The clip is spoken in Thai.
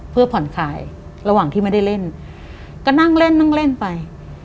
เพื่อผ่อนขายระหว่างที่ไม่ได้เล่นก็นั่งเล่นนั่งเล่นไป